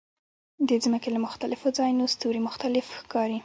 د ځمکې له مختلفو ځایونو ستوري مختلف ښکاري.